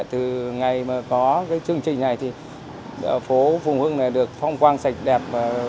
từ ngày mà có cái chương trình này thì phố phùng hưng này được phong quang sạch đẹp